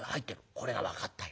これが分かったよ。